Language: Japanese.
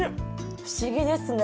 不思議ですね。